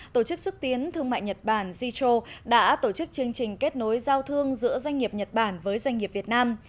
tổ chức xúc tiến thương mại nhật bản jl đã tổ chức chương trình kết nối giao thương giữa doanh nghiệp nhật bản với doanh nghiệp việt nam